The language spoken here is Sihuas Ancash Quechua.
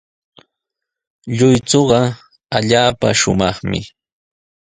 Lluychuqa allaapa shumaqmi.